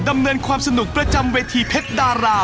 ดำเนินความสนุกประจำเวทีเพชรดารา